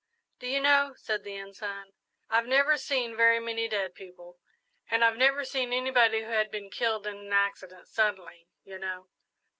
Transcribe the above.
"Do you know," said the Ensign, "I've never seen very many dead people, and I've never seen anybody who had been killed in an accident suddenly, you know.